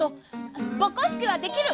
ぼこすけはできる！